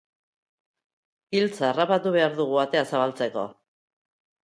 Giltza harrapatu behar dugu atea zabaltzeko!